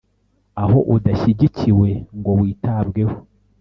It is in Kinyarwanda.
Aho udashyigikiwe ngo witabweho,